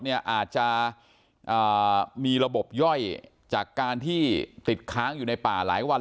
อาจจะมีระบบย่อยจากการที่ติดค้างอยู่ในป่าหลายวัน